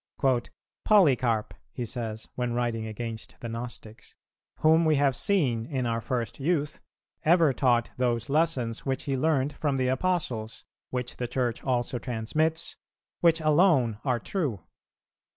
"Polycarp," he says when writing against the Gnostics, "whom we have seen in our first youth, ever taught those lessons which he learned from the Apostles, which the Church also transmits, which alone are true.